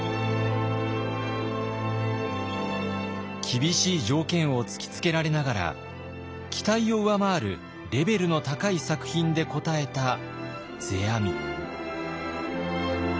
厳しい条件を突きつけられながら期待を上回るレベルの高い作品で応えた世阿弥。